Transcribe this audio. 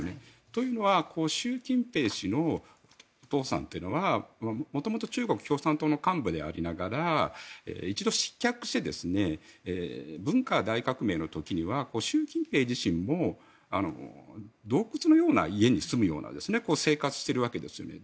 というのは習近平氏のお父さんというのは元々、中国共産党の幹部でありながら一度失脚して文化大革命の時には習近平自身も洞窟のような家に住むような生活をしているわけですね。